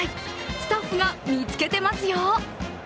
スタッフが見つけてますよ。